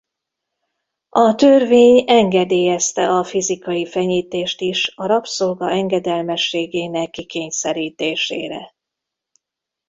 A törvény engedélyezte a fizikai fenyítést is a rabszolga engedelmességének kikényszerítésére.